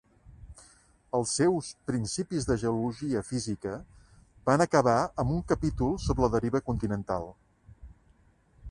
Els seus "Principis de Geologia Física" van acabar amb un capítol sobre la deriva continental.